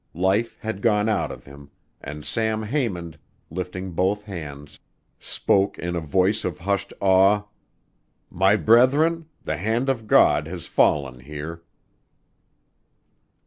Life had gone out of him, and Sam Haymond, lifting both hands, spoke in a voice of hushed awe, "My brethren, the hand of God has fallen here."